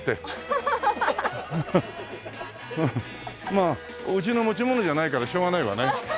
まあうちの持ち物じゃないからしょうがないわね。